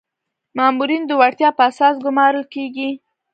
مامورین د وړتیا په اساس ګمارل کیږي